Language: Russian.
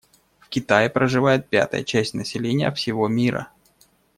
В Китае проживает пятая часть населения всего мира.